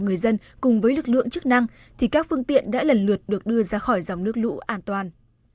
người dân cùng với lực lượng chức năng thì các phương tiện đã lần lượt được đưa ra khỏi dòng nước lũ an toàn